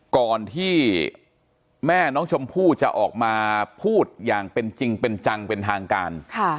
ก่อนที่แม่น้องชมพู่จะออกมาพูดอย่างเป็นจริงเป็นจังเป็นทางการ